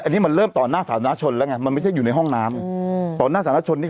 ก็แยกกันไปตรงนั้น